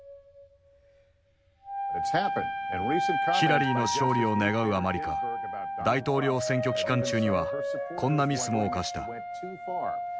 ヒラリーの勝利を願うあまりか大統領選挙期間中にはこんなミスも犯した。